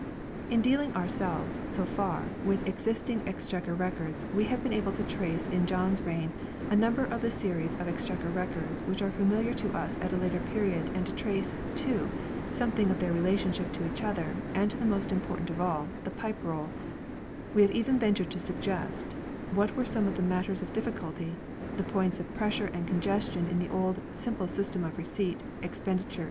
In dealing ourselves, so far, with existing Exchequer Records we have been able to trace in John's reign a number of the series of Exchequer records which are familiar to us at a later period and to trace, too, some thing of their relationship to each other and to the most important of all, the Pipe Roll ; we have even ventured to suggest what were some of the matters of difficulty, the points of pressure and congestion in the old simple system of receipt, expenditure, and audit (and 1 Cf.